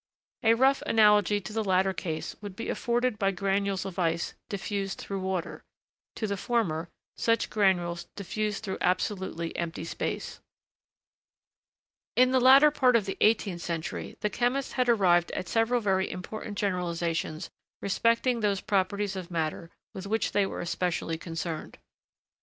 A rough analogy to the latter case would be afforded by granules of ice diffused through water; to the former, such granules diffused through absolutely empty space. [Sidenote: Reassertion by Dalton of atomic theory.] In the latter part of the eighteenth century, the chemists had arrived at several very important generalisations respecting those properties of matter with which they were especially concerned.